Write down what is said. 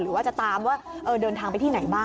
หรือว่าจะตามว่าเดินทางไปที่ไหนบ้าง